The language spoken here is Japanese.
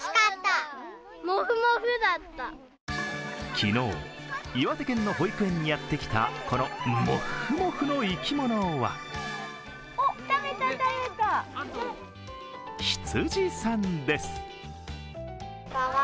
昨日岩手県の保育園にやってきたこのモッフモフの生き物は羊さんです。